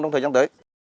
trong thời gian tới